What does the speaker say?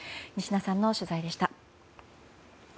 仁科さんの取材でした。